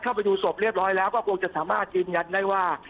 เข้าไปดูศพเรียบร้อยแล้วก็คงจะสามารถยืนยันได้ว่า